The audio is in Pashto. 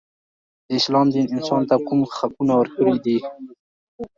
د اسلام دین انسان ته کوم حقونه ورکړي دي.